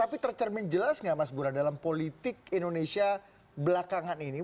tapi tercermin jelas tidak mas bu rad dalam politik indonesia belakangan ini